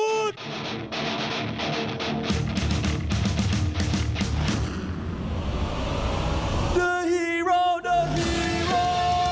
กระทืบนี่จริงจังเลยครับตำน้ายขมนามแบบต้องเอาไว้อยู่เลยครับ